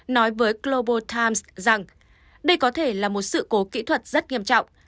nói với global times rằng đây có thể là một sự cố kỹ thuật rất nghiêm trọng